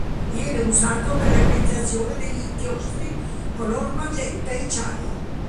Viene usato per la realizzazione degli inchiostri color magenta e ciano.